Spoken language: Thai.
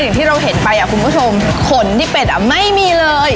อย่างที่เราเห็นไปอ่ะคุณผู้ชมขนที่เป็ดอ่ะไม่มีเลย